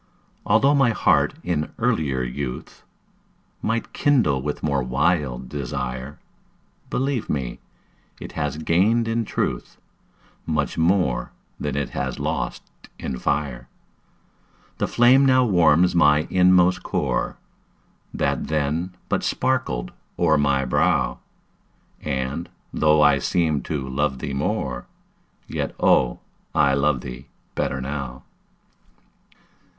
Altho' my heart in earlier youth Might kindle with more wild desire, Believe me, it has gained in truth Much more than it has lost in fire. The flame now warms my inmost core, That then but sparkled o'er my brow, And, though I seemed to love thee more, Yet, oh, I love thee better now.